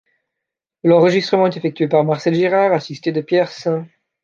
L'enregistrement est effectué par Marcel Girard assisté de Pierre Saint.